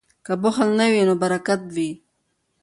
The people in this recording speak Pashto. که بخل نه وي نو برکت وي.